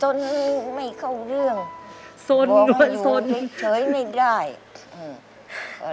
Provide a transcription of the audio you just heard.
จนไม่เข้าเรื่องบอกอยู่เฉยไม่ได้